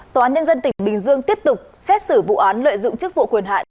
tòa án nhân dân tỉnh bình dương tiếp tục xét xử vụ án lợi dụng chức vụ quyền hạn